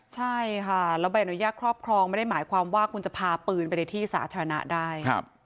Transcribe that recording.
ใช่ค่ะแล้วใบอนุญาตครอบครองไม่ได้หมายความว่าคุณจะพาปืนไปในที่สาธารณะได้